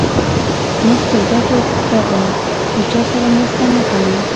موږ تر ګټو پرته له چا سره مرسته نه کوو.